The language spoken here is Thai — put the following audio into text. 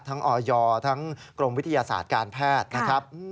ออยทั้งกรมวิทยาศาสตร์การแพทย์นะครับ